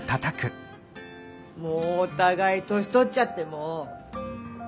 もうお互い年取っちゃってもう。